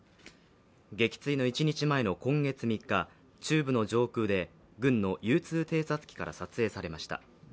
撃墜の１日前の今月３日、中部の上空で軍のＵ２偵察機から撮影されました。